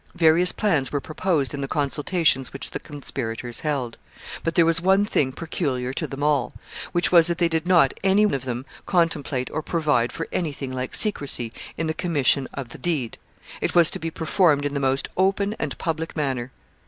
Various plans were proposed in the consultations which the conspirators held; but there was one thing peculiar to them all, which was, that they did not any of them contemplate or provide for any thing like secrecy in the commission of the deed. It was to be performed in the most open and public manner.